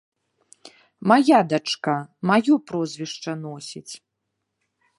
Мая дачка, маё прозвішча носіць!